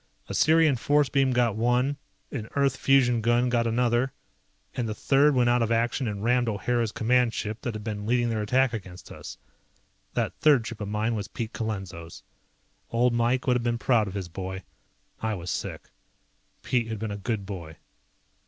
A Sirian force beam got one, an Earth fusion gun got another, and the third went out of action and rammed O'Hara's command ship that had been leading their attack against us. That third ship of mine was Pete Colenso's. Old Mike would have been proud of his boy. I was sick. Pete had been a good boy.